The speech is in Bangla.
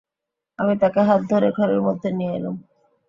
আমি তাকে হাতে ধরে ঘরের মধ্যে নিয়ে এলুম।